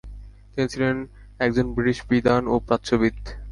তিনি ছিলেন একজন বৃটিশ বিদ্বান ও প্রাচ্যবিদ।